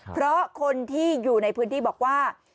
เพราะคนที่อยู่ในพื้นที่บอกว่า